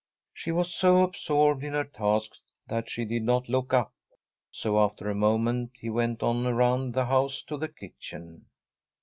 She was so absorbed in her task that she did not look up, so after a moment he went on around the house to the kitchen.